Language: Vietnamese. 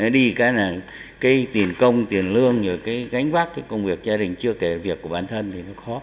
đi cái tiền công tiền lương cái gánh vác cái công việc gia đình chưa kể việc của bản thân thì nó khó